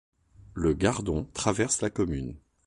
Le Gardon traverse la commune.